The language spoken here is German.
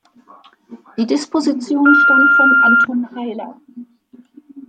Die Disposition stammt von Anton Heiller.